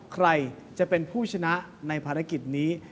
ใครจะเป็นผู้ชนะในภารกิจนี้